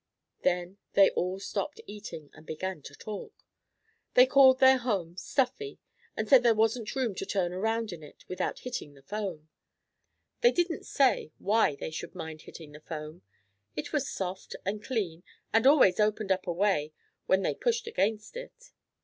Then they all stopped eating and began to talk. They called their home stuffy, and said there wasn't room to turn around in it without hitting the foam. They didn't say why they should mind hitting the foam. It was soft and clean, and always opened up a way when they pushed against it.